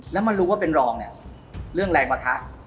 แล้วมารู้ว่าเป็นรองเนี่ยเรื่องแรงปะทะ